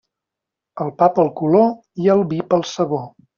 El pa pel color i el vi pel sabor.